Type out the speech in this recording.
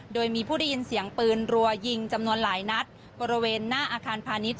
โดยมีผู้ได้ยินเสียงปืนรัวยิงจำนวนหลายนัดบริเวณหน้าอาคารพาณิชย